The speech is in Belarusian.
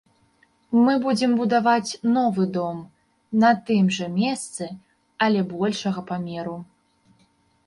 Мы будзем будаваць новы дом, на тым жа месцы але большага памеру.